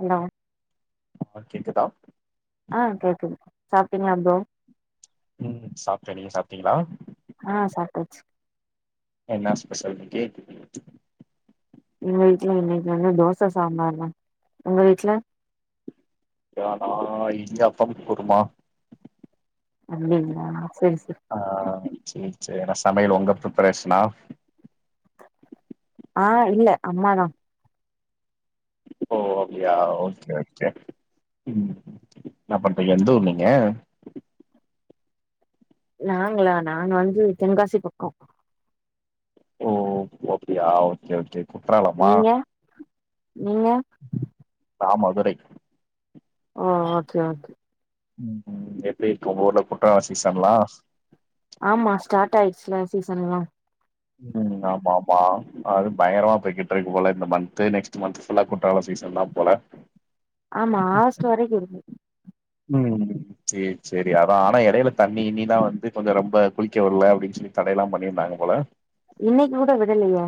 Allow ஆ கேக்குதா ஆ கேக்குது சாப்ட்டிங்ளா ப்ரோ ம் சாப்ட்ட நீங்க சாப்ட்டிங்ளா ச்சி என்னா ஸ்பெஷல் இன்னிக்கு எங்க வீட்ல இன்னைக்கு வந்து தோச சாம்பார்தா உங்க வீட்ல யாடா இடியாப்பம் குருமா அப்டிங்ளா செரி செரி சேர் சேர் என்ன சமையல் உங்க ஃபிரிப்பரேஷனா ஆ இல்ல அம்மாதா ஓ அப்டியா ஓகே ஓகே ம் என்னா பண்றிங்க எந்த ஊர் நீங்க நாங்களா நான் வந்து தென்காசி பக்கோ ஓ ஒ அப்டியா ஓகே ஓகே குற்றாலமா நீங்க நீங்க நா மதுரை ஓ ஓகே ஓகே ம் எப்டி இருக்கு உங்க ஊர்ல குற்றால சீசன்லா ஆமா ஸ்டார்ட் ஆயிடுச்சுல சீசனெல்லா ம் ஆமா ஆமா அது பயங்கரமா போய்கிட்டு இருக்கு போல இந்த மந்த்து நெக்ஸ்ட் மந்த்து ஃபுல்லா குற்றால சீசன் தா போல ஆமா ஆகஸ்ட் வரைக்கு இருக்கு ம் சேரி சேரி அதா ஆனா இடையில தண்ணி இண்ணிலா வந்து கொஞ்ச ரொம்ப குளிக்க விடல அப்டின்னு சொல்லி தடையெல்லா பண்ணியிருந்தாங்க போல இன்னைக்கு கூட விடலையே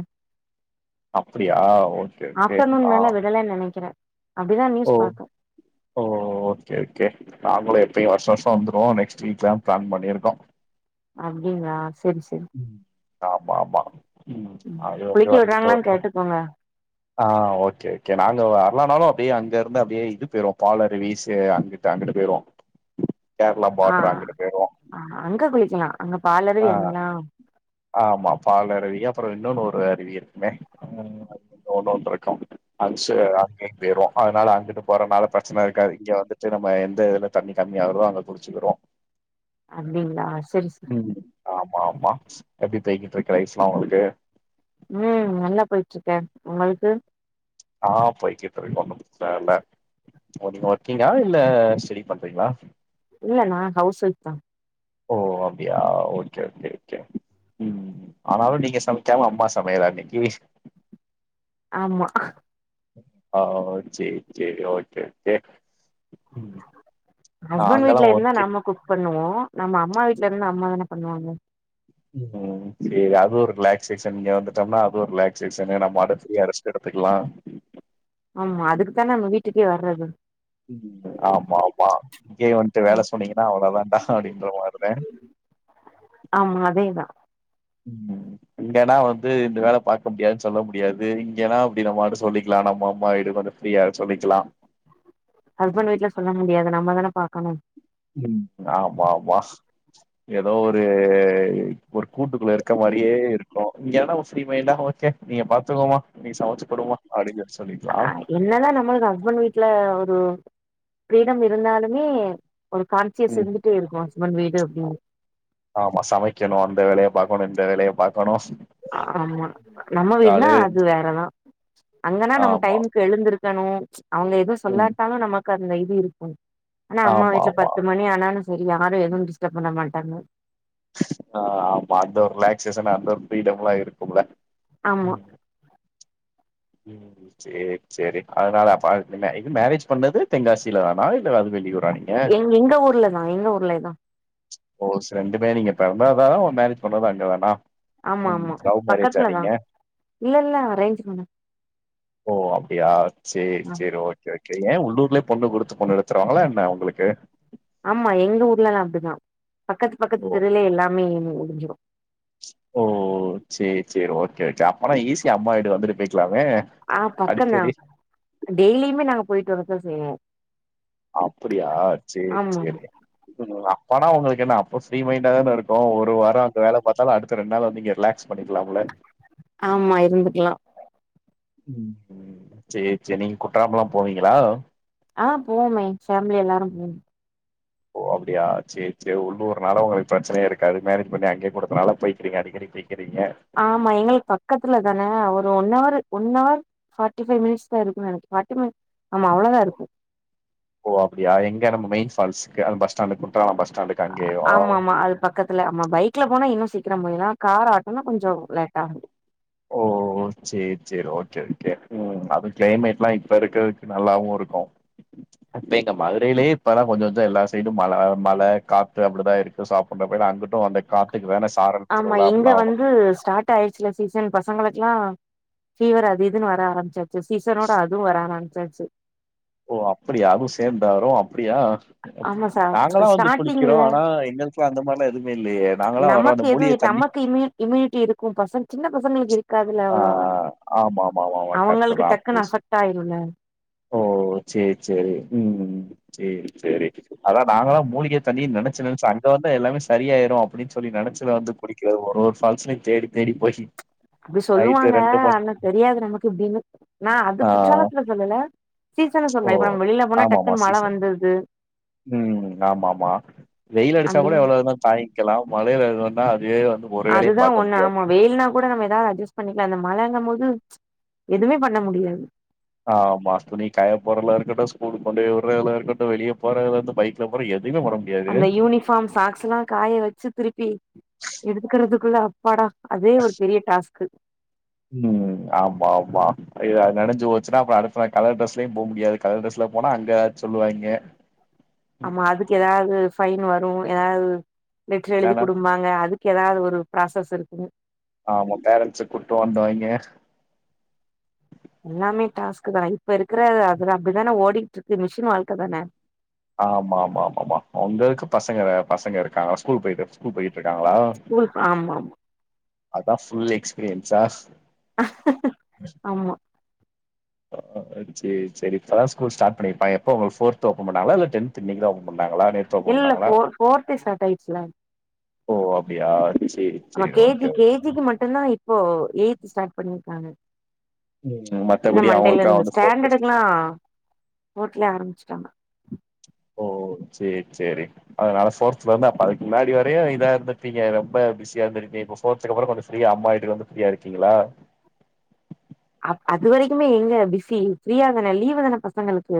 அப்படியா ஒ ஆப்டர்நூன் மேல விடலேன்னு நெனைக்கிற அப்டிதா ஓ நியூஸ் பாத்த ஓ ஓகே ஓகே நாங்களு எப்பயு வருஷ வருஷ வந்துருவோ நெக்ஸ்ட் வீக்தா பிளான் பண்ணிருக்கோ அப்டிங்களா சரி சரி ஆமா ஆமா உம் அது வந்து குளிக்க விடுறாங்களான்னு வந்துட்டு கேட்டுக்கோங்க ஆஹ் ஓகே ஓகே நாங்க வ வலனாலு அப்டியே அங்க இருந்து அப்டியே இது போய்ருவோ பாலரு வீசு அங்கிட்டு அங்கிட்டு போய்ருவோ ஆஹ் ஆஹ் அங்க குளிக்கலா அங்க பாலருவி ஆஹ் எங்கலா ஆமா பாலறவிங்க அப்புற இன்னொன்னு ஒரு அருவி இருக்குமே ம் ஒண்ணோன்ருக்கு அன்சு அங்கேயு போய்ருவோ அதனால அங்கிட்டு போறனால பிரச்சனை இருக்காது இங்க வந்துட்டு நம்ம எந்த இதுல தண்ணி கம்மி ஆகுறதோ அங்க குளிச்சுக்குருவோ அப்டிங்களா செரி செரி உம் ஆமா ஆமா எப்டி பெய்கிட்டிருக்கு ரைஸ்ல்லா உங்களுக்கு உம் நல்லா போய்ட்டிருக்கே உங்களுக்கு ஆஹ் போய்கிட்டிருகு ஒண்ணு பிரச்சன இல்ல நீங்க ஒர்கீங்கா இல்ல ஸ்டடி பண்றீங்களா இல்ல நா ஹவுஸ் ஒய்வ் தா ஓ அப்டியா ஓகே ஓகே ஓகே உம் ஆனாலு நீங்க சமைக்காம அம்மா சமையலா இன்னைக்கி ஆமா ஆ சேரி சேரி ஓகே ஓகே ஹஸ்பண்ட் வீட்ல நாங்கல்லாம் இருந்தா ஒர்க்கிங் நம்ம குக் பண்ணுவோ நம்ம அம்மா வீட்ல இருந்தா அம்மா தானே பண்ணுவாங்க உம் சேரி அது ஒரு ரிலாக்சேஷன் இங்க வந்துட்டோம்னா அது ஒரு ரிலாக்சேஷன்னு நம்மடுதியா ரெஸ்ட் எடுத்துக்கலா ஆமா அதுக்கு தான நம்ம வீட்டுக்கே வர்றது உம் ஆமா ஆமா இங்கே வந்துட்டு வேலை ம். சொன்னீங்கன்னா அவ்ள தான்ண்டா அப்படின்ற மாறிதே ஆமா அதேதா உம் இங்கன்னா வந்து இந்த வேலை பாக்க முடியாதுன்னு சொல்லவு முடியாது இங்கன்னா அப்டி நம்மு சொல்லிக்கலா நம்ம அம்மா வீடு கொஞ்ச ஃப்ரீயா சொல்லிக்கலா ஹஸ்பண்ட் வீட்ல சொல்ல முடியாது நம் நம்மதானே பாக்கணு உம் ஆமா ஆமா ஏதோ ஒரு ஒரு கூட்டுக்குள்ள இருக்க மாரியே இருக்கு இங்கன ஃப்ரீமைண்டா ஓகே நீங்க பாத்துங்கோமா நீங்க சமைச்சுகுடுமா அப்படின்னு ஆ என்னதா நம்மளுக்கு ஹஸ்பண்ட் வீட்ல ஒரு ஃப்ரீடம் இருந்தாலுமே ஒரு கான்சியஸ் ம் இருந்துட்டே இருக்கு ஹஸ்பண்ட் வீடு அப்படின்னு ஆமா சமைக்கணு அந்த வேலைய பாக்கணு வேலைய பாகணு ஆமா நம்ம வீட்னா அது எந்ச் வேறதா அங்கன்னா நம்ம ஆமா டைமுக்கு எழுந்திருக்கணு அவங்க ஏது ம் சொல்லாட்டாலு நம்ம கந்த இது இருக்கு ஆனா அம்மா ஆமா வீட்ல ஆமா பத்து மணி ஆனாலூ சரி யாரு எதுவு டிஸ்டர்ப் பண்ண மாட்டாங்க ஆஹ் ஆமா அந்த ஒரு ரிலாக்சேஷன் அந்த ஒரு பரீடம்லா இருக்கும்ல ஆமா ம் ம் சரி சரி அதனால இது மேரேஜ் பண்ணது தெங்காசில தானா இல்ல அது வெளியூரா நீங்க எ எங்க ஊர்லதான் எங்க ஊர்லதான் ஓ ச ரெண்டுமே நீங்க பிறந்த அதான் உ மேரேஜ் பண்றதுதான் அங்கதானா ஆமா ஆமா பக்கத்துலதான் இல்ல இல்ல அரேஞ்ச் பண்ண ஓ அப்படியா சேரி சேரி ஓகே ஓகே ஏன் உள்ளூர்லயே பொண்ணு குடுத்து பொண்ணு எடுத்துருவாங்களா என்ன உங்களுக்கு ஆமா எங்க ஊர்லெல்லாம் அப்படிதான் பக்கத்து ஓ பக்கத்து தெருலே எல்லாமே முடிஞ்சுரு ஓ சேரி சேரி ஓகே ஓகே அப்பனா ஈசி அம்மா வீடு வந்துட்டு போய்க் ஆ பக்கம் தான் டெய்லுமே நாங்க போய்டு வர தான் செய்வோம் அப்படியா சேரி சேரி அப்பானா உங்களுக்கு என்ன அ ஃப்ரீ மைண்டா தானே இருக்கும் ஒரு வாரம் அங்க வேல பார்த்தாலும் அடுத்த ரெண்டு நாள் வந்து இங்க ரிலாக்ஸ் பண்ணிக்கலாம்ல ஆமா இருந்துக்கலாம் ம்ம் சேரி சேரி நீங்க குற்றாலமெலாம் போவீங்களா ஆ போவமே ஃபேமிலி எல்லாரும் போவோம் ஓ அப்படியா சேரி சேரி உள்ளூருனால உங்களுக்கு பிரச்சனையே இருக்காது மேரேஜ் பண்ணி அங்கே கொடுத்ததுனால போய்க்கிறீங்க அடிக்கடி போய் ஆமா எங்களுக்கு பக்கத்துல தானே அவுங்க one hour one hour forty five minutes தான் இருக்கும் எனக்கு ஃபார்ட்டி மினிட் ஆமா அவ்வளோதான் இருக்கும் ஓ அப்டியா எங்க நம்ம மெயின் ஃபால்ஸ் அந்த பஸ்டாண்டு குற்றாலம் பஸ் ஸ்டாண்டுக்கு ஆ அங்கேயேவா ஆமா ஆமா அது பக்கத்துல ஆமா பைக்ல போனா இன்னு சீ சீக்கிரம் போயிரலா கார் ஆட் இன்னு கொஞ்சோ லேட்டாகம் ஓ சேரி சேரி ஓகே ஓகே உம் அது கிளைமேட்லா இப்ப இருக்கிறதுக்கு நல்லாவு இருக்கும் இப்ப எங்க மதுரையிலே இப்பதா கொஞ்ச கொஞ்ச எல்லா சைடும் மழ மழ காத்து அப்டிதா இருக்கு சாப்புறடப்பயலாம் அங்குட்டு அந்த காத்துக்கு வேண ஆமா இங்க வந்து ஸ்டார்ட் ஆயிடுச்சில சீசன் பசங்களுக்கெல்லா ஃபீவர் அது இதுன்னு வர ஆரம்பிச்சுருச்சு சீசரோட அதுவு வராதான் சச்சு ஓ அப்படியா அதுவு சேந்தா வரு அப்பிடியா ஆமா சா நாங்களா வந்து குளிக்கிறோ ஸ்டார்டிங்ல ஆனா எங்களுக்குலா அந்த மாரிலா எதுமே இல்லையே நாங்கல்லா வரோ நமக்கு அந்த மூலிகை எதுவு தண்ணி நமக்கு இம்யூ இம்யூனிட்டி இருக்கு பசங்க சின்ன பசங்களுக்கு இருக்காதுல்ல ஆ அவ்ளோவா ஆமா ஆமா ஆமா ஆமா அவங்களுக்கு கரட்டுதா டக்குன்னு ஸ் அஃபெக்ட் ஆயிருல்ல ஓ சேர் சேரி ம் சேரி சேரி அதா நாங்களா மூலிகை தண்ணின் நெனச்சி நெனச்சி அங்க வந்தா எல்லாமே சரியாயிடு அப்டின் சொல்லி நெனச்சத வந்து குடிக்கறது ஒரு ஒரு ஃபால்ஸ்லயு தேடி தேடி போய் அப்டி நைட்டு சொல்லுவாங்க ரெண்டு மணி ஆனா தெரியாது நமக்கு இப்டின்னு நா அது ஆ குற்றாலத்துல சொல்லல சீசன ஓ சொன்ன இப்ப நம்ம வெளியில போனா ஆமாமா டக்குனு மழ சீசன் வந்துது ம் ஆமாமா அப்டின் க்கிலா மழேல இருந்தன்னா அதுவே வ அதுதா ஒன்னு நம்ம வெயில்னா கூட நம்ம எதாவ்து அட்ஜஸ் பண்ணிக்கலா அந்த மழங்கு போது எதுவுமே பண்ண முடியாது ஆ மாஸ்துனி கய பொருளா இருக்கட்டு ஸ்கூல் கொண்டே உடுதல்லா இருக்கட்டு வெளிய போறதுல இருந்து பைக்ல போற எது அந்த யூனிபார்ம் சாக்ஸ் எல்லா காய வெச்சி திருப்பி எடுத்துக்கிறது குல்ல அப்பாடா அதே ஒரு பெரிய டாஸ்க்கு ம் ஆமா ஆமா இத நெனஞ்சு போச்சுன்னா அப்புரோ அடுத்த நாள் கலர் ட்ரெஸ்லவு போயு முடியாது கலர் டிரெஸ்ல போனா அங்க சொல்லுவாங்க ஆமா அதுக்கு எதாவ்து ஃபைன் வரு எதாது லெட்டர் எழுதி இல்லனா குடும்மாக அதுக் எதாது ஒரு ப்ராசஸ் இருக்குங் ஆமா பேரன்ஸ் கூட்டுவா வந்த இங்க எல்லாமே டாஸ்க்கு தா இப்ப இருக்கிற அதுல அப்டிதான ஓடிட்டுற்க்கு மிஷின் வாழ்க்க தான ஆமா ஆமா ஆமா ஆம்மம்மா உங்களுக்கு பசங்க வேப் பசங்க இருக்காங்க ஸ்கூல் போயிட்டு ஸ்கூல் போயிட்டு இருக்காங்களா ஸ்கூல் ஆமா ஆமா அதா ஃபுல் எக்ஸ்பீரியன்ஸ்சா ஆமா ஆ ஆ சேரி சேரி இப்பதா ஸ்கூல் ஸ்டார்ட் பண்ணிப்பாய எப்போ போர்த் ஓபன் பண்ணாகளா இல்ல டென்த் இன்னிக்கு தா ஓபன் பண்ணா இல்ல போர் போர்தே ஸ்டார்ட் ஆயிச்சில ஓ அப்டியா சேரி ஆ சேரி கேஜி ஓகே ஓகே கேஜிக்கு மட்டும்தா இப்போ எயித் ஸ்டார்ட் பண்ண ஆஹ ம் இந்த மத்தபடி மண்டேல அவங்களுக்கா இருந்து வந்து ஃபோர்த் டெஸ்ட் ஸ்டாண்டர்டுக்கு எல்லா ஃபோர்த்துலயே ஆரம்பிச்சுட்டாங்க ஓ சேரி சேரி அதனால ஃபோர்த்ல இருந்து அப்ப அதுக்கு முன்னாடி வரையு இதா இருந்திருப்பீங்க ரொம்ப பிஸியா இருந்திருக்கீங்க இப்ப போர்த்துக்கு அப்புறம் கொஞ்சோ ஃப்ரீயா அம்மா வீட்டுகு வந்து ஃப்ரீயா இருக்கீங்களா அ அது வரைக்குமே எங்க பிஸி ஃப்ரீயா தான லீவ் தான பசங்களுக்கு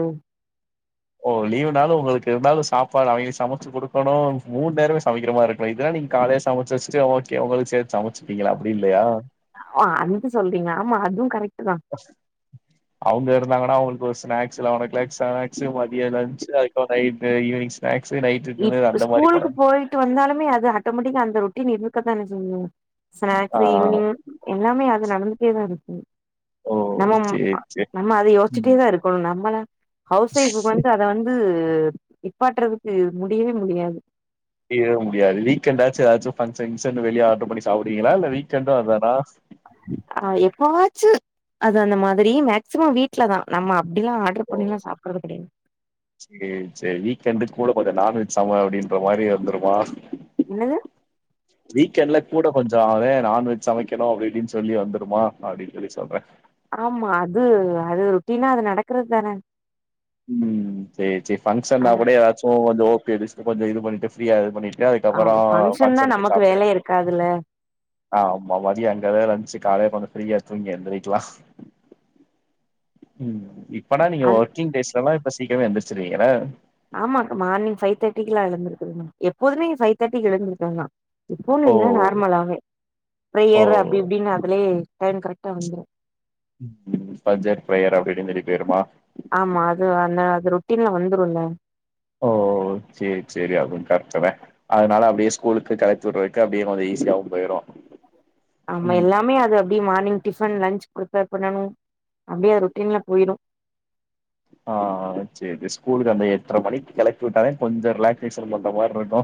ஓ லீவுனாலு உங்களுக்கு இருந்தாலு சாப்பாடு அவங்களுக்கு சமைச்சு குடுக்கணு மூணு நேரமே சமைக்கிற மாதிரி இருக்கணு இதெல்லா நீங்க காலையிலயே சமச்சு வெச்சுட்டு ஓகே உங்களுக்கு சேத்து சமச்சுப்பீங்களா அப்டி இல்லயா ஓ அது சொல்றீங்க ஆமா அதுவும் கரெக்ட் தா அவங்க இருந்தாங்கன்னா அவங்களுக்கு ஸ்னாக்ஸ் [unintelligible] ஸ்னாக்ஸ் மதிய லன்சு அது நைட் ஈவினி்ங் ஸ்னாக்ஸ் இ ஸ்கூலுக்கு போயிட்டு வந்தாலுமே அது ஆட்டோமெட்டிக்கா அந்த ரொட்டீன் ந இருக்க தான சொய்யு ஆ ஸ்நாக்ஸ் ஈவினிங் எல்லாமே அ நடந்துட்டேதா இருக்கு ஓ நம்ம சேரி சேரி நம்ம அத யோசிட்டே ம் தா இருக்கணு நம்மள ஹவுஸ் ஒைஃபு வந்து அது வந்து நிப்பாட்டறது உ முடியவே முடியாது மீறவு முடியாது வீக்கெண்டாச்சு ஏதாச்சு ஃபங்க்ஷன் கிங்ஷன்னு வெளிய ஆர்டர் பண்ணி சாப்புடுவீங்களா இல்ல வீக்கெண்டு அதானா ஆஹ் எப்பவாச்சும் அது அந்த மாதிரி மேக்சிமம் வீட்லதா நம்ம அப்படிலாம் ஆடர் பண்ணிலா சாப்படறது கடையாது சரி சரி வீக்கெண்டுக்கு கூட கொஞ்ச நான்வெஜ் சம அப்படின்ற மாரி வந்துடுமா என்னது வீக்எண்ட்ல கூட கொஞ்ச அதே நான்வெஜ் சமைக்கணு அப்டி இப்டின்னு சொல்லி வந்துடுமா அப்படின்னு சொல்லி சொல்றே ஆமா அது அது ரொட்டீனா அது நடக்கறது தான ம் சரி சரி பங்க்ஷன் நா கூட எதாச்சு கொஞ்ச லேடிஸ்கு கொஞ்ச இது பண்ணிட்டு ஃப்ரியா இது பண்ணிட்டு ஆஹ் அதுக்கப்பறோ பங்க்ஷன் னா ஃபங்க்ஷனுக்கு போய் நமக்கு சாப்டுங்க வேலயே இருக்காதுல்ல ஆமா மதிய அங்கதா லன்ச்சு காலைல கொஞ்ச ஃப்ரீயா தூங்கி எந்திரிக்கலா அப்பனா நீங்க அந் ஒர்க்கிங் டேஸ்ல எல்லா சீக்கிரமே எந்துரிச்சுருவிங்கனா ஆமா மார்னிங் ஃபைவ் தேர்டி க்கலாம் எழுந்திருக்கனு எப்போதுமே ஃபைவ் தேர்டிக்கு எழுந்திருக்கனுந்தா இப்பன்னு ஓ இல்ல நார்மலாவே ஓ பிரேயர் அப்டி இப்டின்னு அதுலயே டைம் கரெக்டா வந்துரும் உம் பஞ்சர் ப்ரேயர் அப்படினு சொல்லி போயருமா ஆமா அது அந்த அது ரொட்டின்லா வந்துரும்ல ஓ சரி சரி அதுவும் கரக்ட் தே அதனால அப்படியே ஸ்கூலுக்கு கழப்பி விடற வரைக்கு அப்டியே கொஞ்ச ஈஸியாவு போயிரு ஆமா ம் எல்லாமே அது அப்டியே மார்னிங் டிஃபன் லன்ச் ப்ருப்பேர் பண்ணனும் அப்படியே ரொட்டின்ல போயிரும் ஆஹ் சரி ஸ்கூலுக்கு அந்த எட்டரை மணிக்கு கிளப்பி விட்டாலே கொஞ்ச ரிலாக்சேஷன் பண்ற மாரி இருக்கு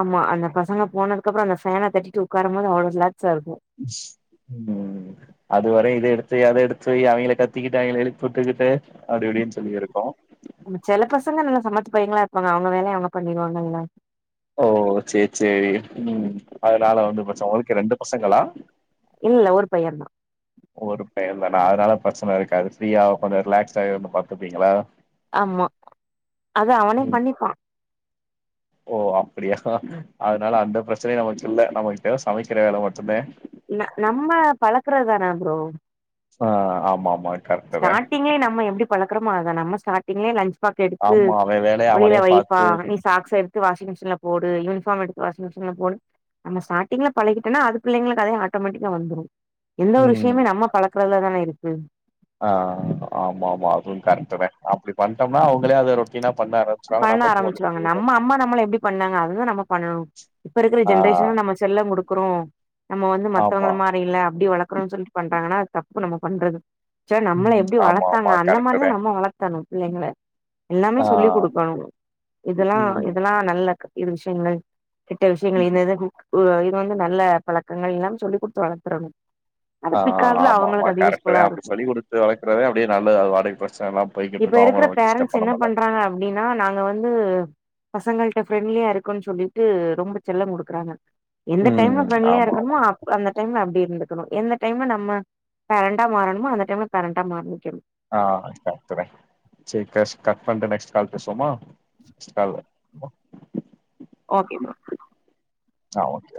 ஆமா அந்த பசங்க போனதுக்கு அப்புற அந்த ஃபேன தட்டிட்டு உட்காரும் போது அவ்ளோ ரிலாக் உம் அதுவரை இதே எடுத்து வை அத எடுத்து அவிங்கள கத்திக்கிட்டு அவிங்கள எழுப்பி விட்டுக்கிட்டு அப்டி இப்டின்னு சொல்லி இருக்கு செல பசங்க நல்லா சமத்து பையங்களா இருப்பாங்க அவங்க வேலய அவங்க பண்ணிருவாங்கங்க ஓ சரி சரி உம் அதனால வந்து ப்ரச் உங்களுக்கு ரெண்டு பசங்களா இல்லல்ல ஒரு பையந் தா ஒரு பையந் தானா அதனால பிரச்சனை இருக்காது ஃப்ரீயா கொஞ்ச ரிலாக்ஸ்டா இருந்து பாத்துப்பீங்களா ஆமா அது அவனே ம் பண்ணிப்பான் ஓ அப்படியா அதனால அந்த பிரச்சனயு நமக்கு இல்ல நமக்கு தேவை சமைக்கிற வேலை மட்டுந்தே ந நம்ம பழக்கற தான ப்ரோ ஆஹ் ஆமா ஆமா கரெக்ட்டுதே ஸ்டார்ட்டிங்கே நம்ம எப்புடி பழக் றமோ அதா நம்ம ஸ்டாடிங்குலயே லன்ச் பாக்ஸ் எடுத்து ஆமா அவ வேலைய வெளில அவனே வைப்பா பாத்து நீ சாக்ஸ் எடுத்து வாஷிங் மிஷின்ல போடு யூனிஃபார்ம் எடுத்து வாஷிங்மிஷின்ல போடு நம்ம ஸ்டாட்டிங் பழகிட்டோனா அது பிள்ளைங்களுக்கு அதே ஆட்டோமேட்டிக்கா வந்துடு எந்த ஒரு ம் விஷயமே நம்ம பழக் சக்கறல தானே இருக்கு ஆஹ் ஆமா ஆமா அதுவும் கரெக்டவே அப்படி பண்ணிட்டோம்னா அவங்களே அதை ரொட்டினா பண்ண ஆரம்பிச்சவாங்க நம்ம அம்மா நம்மள எப்டி பண்ணாங்க அதுதான் நம்ம பண்ணணும் இப்ப இருகுற ஆ ஜென்ரேஷன் நம்ம செல்ல குடு க்ரோம் நம்ம வந்து ஆமா மத்தவங்கள மாரி இலை அப்படி வளக்கறோம் சொல்லிட்டு பண்றாங்கன்னா தப்பு நம்ம பண்றது செரி நம்மளை ம் எப்படி ஆமா வளத்தாங்க ஆமா அந்த கரெக்ட் மாரிதான் தான் நம்ம வளத்தணும் பிள்ளைங்கல எல்லாமே ஆ சொல்லி் கொடுக்க னும் இதெல்லாம் ம் இதெல்லாம் நல்லக்கு இது விஷயங்கள கெட்ட ம் விஷயங்கள்குக் இது வந்து நல்ல பழக்கங்கள் எல்லாம சொல்லி் கொடுத்து வளத்தறணும் ஆஹ் ஆமா ஆமா கரெக்ட் தான் அப்படி இருக்கு சொல்லி கொடுத்து வளக்குறதே அப்படியே நல்ல அது வாடகை பிரச்சனை எல்லாம் போயிட்டு இப்ப இருக்கும் இருக்கிற அவங்களளை வந்து டிஸ்டர்ப் பேரண்ட்ஸ் பண்ண என்ன மாட்டாங்க பண்றாங்க அப்டின்னா நாங்க வந்து பசங்கள்ட ஃப்ரெண்ட்லியா இருக்குன்னு சொல்லிட்டு ரொம்ப செல்ல கொடுக்குறாங்க எந்த டைம்ல ம் ஃப்ரெண்ட்லியா ஆமா ஆமா இருக்கணமோ அ அந்த டைம்ல அப்படி இருந்து க்கனும் எந்த டைம் நம்ம பேரண்டா மாறணமோ அந்த டை பேரண்டா மாறிக்கணும் ஆஹ்றேன் கரட் கரட் செரி கட் பண்டு நெக்ஸ்ட் கால் பேசுவோமா நெக்ஸ் கால் ஓகே ம் ஆஹ் ஓகே